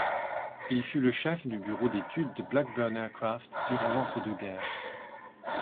Il fut le chef du bureau d’études de Blackburn Aircraft durant l’entre-deux-guerres.